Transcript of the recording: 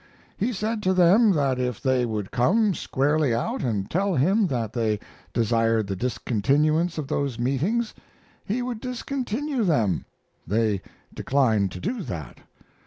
He said to them that if they would come squarely out and tell him that they desired the discontinuance of those meetings he would discontinue them. They declined to do that.